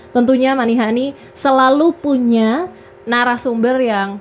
tentunya manihani selalu punya narasumber yang